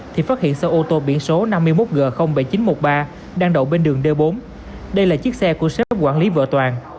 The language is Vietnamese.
thì phát hiện xe ô tô biển số năm mươi một g bảy nghìn chín trăm một mươi ba đang đậu bên đường d bốn đây là chiếc xe của shop quản lý vợ toàn